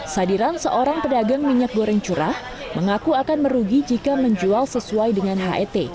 sadiran seorang pedagang minyak goreng curah mengaku akan merugi jika menjual sesuai dengan het